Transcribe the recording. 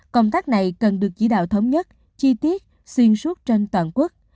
công tác này cần được chỉ đạo thống nhất chi tiết xuyên suốt trên toàn quốc